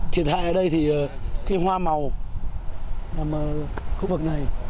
thì thiệt hại ở đây thì hoa màu nằm ở khu vực này